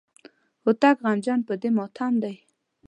هوتک غمجن په دې ماتم دی.